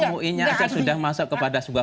mui nya aja sudah masuk kepada sebuah